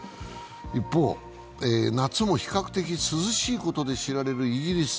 一方、夏も比較的涼しいことで知られるイギリス。